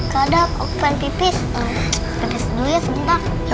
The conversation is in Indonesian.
mas joko keluar luminanya